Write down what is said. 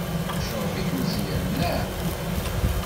Yecɣeb-ik Meẓyan, naɣ?